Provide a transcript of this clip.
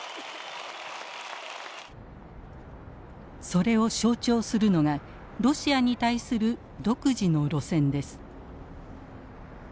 それを象徴するのがロシアに対する独自の路線です。